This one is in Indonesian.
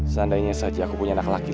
sampai jumpa lagi